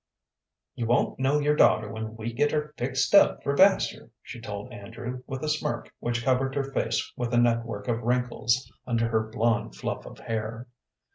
"You won't know your daughter when we get her fixed up for Vassar," she told Andrew, with a smirk which covered her face with a network of wrinkles under her blond fluff of hair.